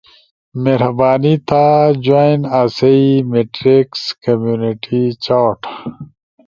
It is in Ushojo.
، مہربانی تھا جوائن آسئی میٹریکس کمیونٹی چاٹ